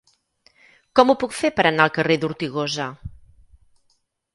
Com ho puc fer per anar al carrer d'Ortigosa?